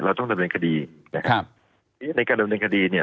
เราต้องดำเนินคดีครับในการดำเนินคดีเนี่ย